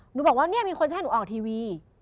บอกว่าเนี่ยมีคนจะให้หนูออกทีวี